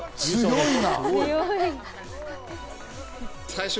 強いな。